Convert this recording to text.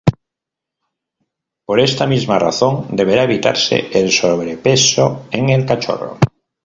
Por esta misma razón deberá evitarse el sobrepeso en el cachorro.